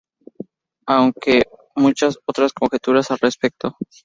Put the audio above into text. Aunque hay muchas otras conjeturas al respecto.